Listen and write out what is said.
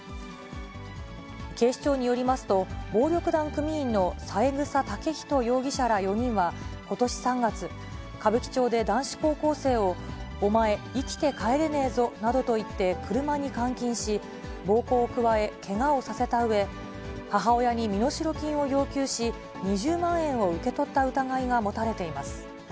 警視庁によりますと、暴力団組員の三枝丈人容疑者ら４人は、ことし３月、歌舞伎町で男子高校生を、お前、生きて帰れねえぞなどと言って車に監禁し、暴行を加え、けがをさせたうえ、母親に身代金を要求し、２０万円を受け取った疑いが持たれています。